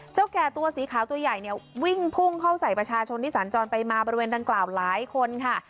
แก่ตัวสีขาวตัวใหญ่เนี่ยวิ่งพุ่งเข้าใส่ประชาชนที่สัญจรไปมาบริเวณดังกล่าวหลายคนค่ะ